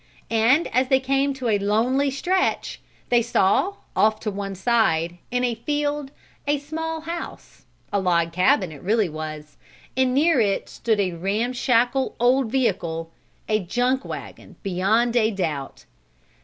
And, as they came to a lonely stretch they saw, off to one side, in a field a small house a log cabin it really was, and near it stood a ramshackle old vehicle a junk wagon beyond a doubt.